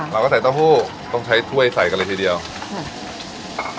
เราก็ใส่เต้าหู้ต้องใช้ถ้วยใส่กันเลยทีเดียวค่ะ